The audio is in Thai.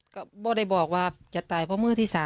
ก็ไม่ได้บอกว่าจะตายเพราะมือที่๓